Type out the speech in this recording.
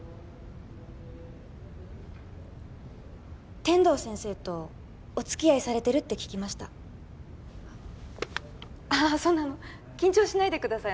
天堂先生とお付き合いされてるって聞きましたああそんなあの緊張しないでください